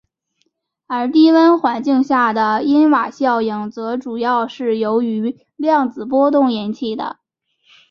而低温环境下的因瓦效应则主要是由于量子波动引起的。